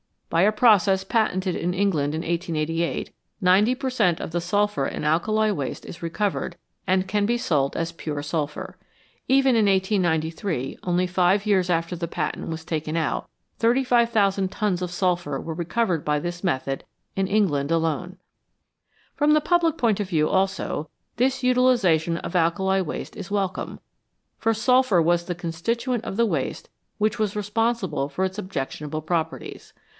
By a process patented in England in 1888, 90 per cent, of the sulphur in alkali waste is recovered, and can be sold as pure sulphur. Even in 1893, only five years after the patent was taken out, 35,000 tons of sulphur were recovered by this method in England alone. From the public point of view also, this utilisation of alkali waste is welcome, for sulphur was the constituent of the waste which was responsible for its objectionable properties.